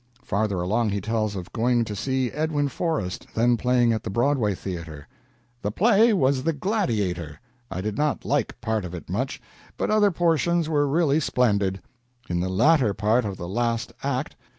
Farther along, he tells of going to see Edwin Forrest, then playing at the Broadway Theater: "The play was the 'Gladiator.' I did not like part of it much, but other portions were really splendid. In the latter part of the last act.